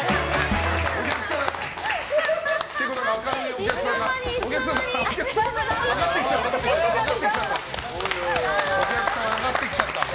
お客さんが上がってきちゃった。